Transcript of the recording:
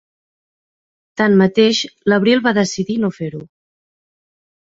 Tanmateix, l'abril va decidir no fer-ho.